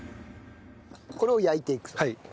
これを焼いていくと。